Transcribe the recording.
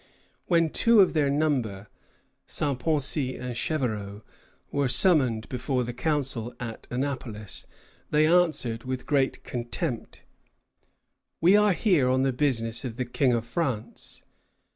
When two of their number, Saint Poncy and Chevereaux, were summoned before the Council at Annapolis, they answered, with great contempt, "We are here on the business of the King of France."